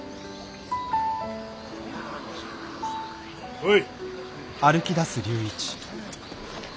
おい！